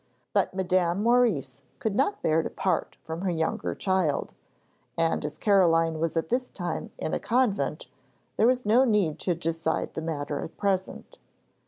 But Madame Maurice could not bear to part from her younger child, and as Caroline was at this time in a convent there was no need to decide the matter at present.